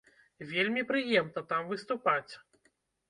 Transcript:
Вельмі прыемна там выступаць.